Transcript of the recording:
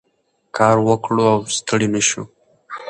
کار وکړو او ستړي نه شو.